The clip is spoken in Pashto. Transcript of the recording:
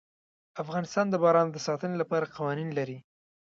افغانستان د باران د ساتنې لپاره قوانین لري.